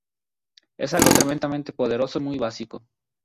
Es algo tremendamente poderoso y muy básico.